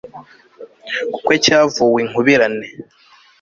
kuko cyavuwe inkubirane